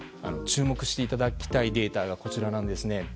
注目していただきたいデータがこちらです。